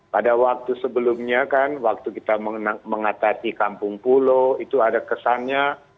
pada waktu sebelumnya kan waktu kita mengatasi kampung pulau itu ada kesannya